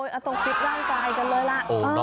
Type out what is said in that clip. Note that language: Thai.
โอ้โหต้องปิดร่างตายกันเลยล่ะ